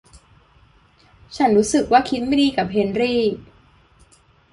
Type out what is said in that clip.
ฉันรู้สึกว่าคิดไม่ดีกับเฮนรี่